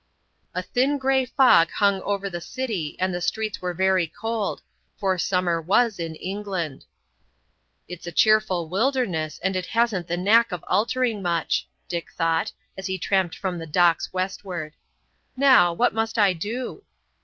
A thin gray fog hung over the city, and the streets were very cold; for summer was in England. "It's a cheerful wilderness, and it hasn't the knack of altering much," Dick thought, as he tramped from the Docks westward. "Now, what must I do?"